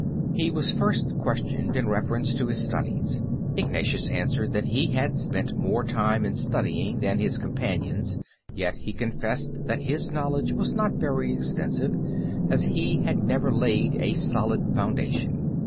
He was first questioned in reference to his studies. Ignatius answered that he had spent more time in studying than his companions, yet he confessed that his knowledge was not very extensive, as he had never laid a solid foundation.